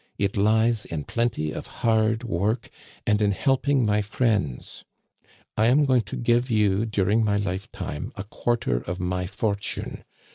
It lies in plenty of hard work and in helping my friends. I am going to give you during my life time a quarter of my fortune.